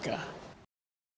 satu miliar rupiah